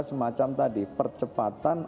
semacam tadi percepatan